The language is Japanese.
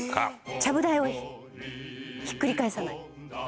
ちゃぶ台をひっくり返さない。